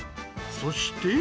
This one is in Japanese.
そして。